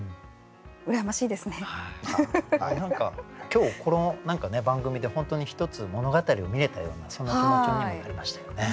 今日この番組で本当に一つ物語を見れたようなそんな気持ちにもなりましたよね。